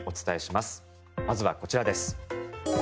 まずは、こちらです。